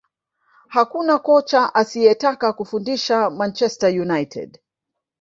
Hakuna kocha asiyetaka kufundisha Manchester United